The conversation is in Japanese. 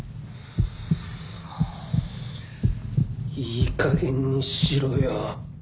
いい加減にしろよ！